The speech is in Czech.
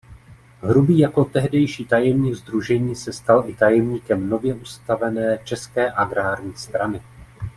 Hrubý jako tehdejší tajemník sdružení se stal i tajemníkem nově ustavené České agrární strany.